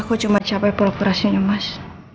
aku cuma dicapai procurasinya mas